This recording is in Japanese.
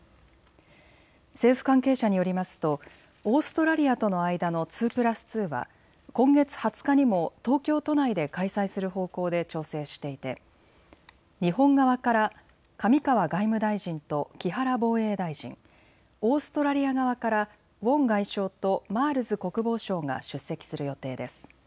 政府関係者によりますとオーストラリアとの間の２プラス２は今月２０日にも東京都内で開催する方向で調整していて日本側から上川外務大臣と木原防衛大臣、オーストラリア側からウォン外相とマールズ国防相が出席する予定です。